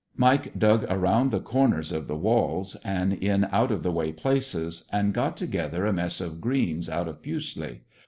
Mike dug around the corners of the walls, and in out of the way places, and got together a mess of greens out of pusley.